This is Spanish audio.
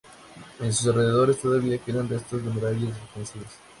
En sus alrededores todavía quedan restos de murallas defensivas.